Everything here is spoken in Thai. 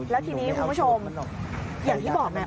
แล้วทีนี้คุณผู้ชมอย่างที่บอกไง